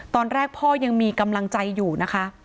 ตอนแรกพ่อยังมีกำลังใจอยู่นะคะ